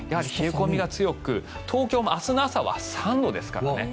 冷え込みが強く東京も明日の朝は３度ですからね